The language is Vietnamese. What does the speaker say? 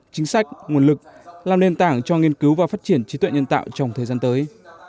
chính sách nguồn lực làm nền tảng cho nghiên cứu và phát triển trí tuệ nhân tạo trong thời gian tới